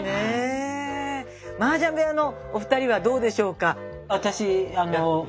マージャン部屋のお二人はどうでしょうか？